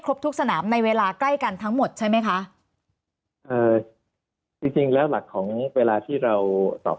ทุกสนามในเวลาใกล้กันทั้งหมดใช่ไหมคะเอ่อจริงจริงแล้วหลักของเวลาที่เราสอบ